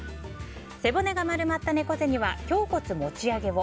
背骨が丸まった猫背には胸骨持ち上げを。